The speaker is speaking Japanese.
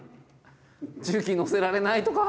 重機乗せられないとか。